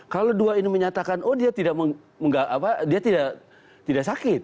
kalau dua ini menyatakan oh dia tidak sakit